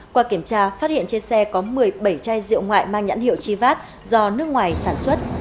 qua kiểm tra phát hiện trên xe có một mươi bảy chai rượu ngoại mang nhãn hiệu chivat do nước ngoài sản xuất